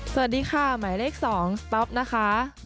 สวัสดีค่ะหมายเลข๑๐บาหลีค่ะ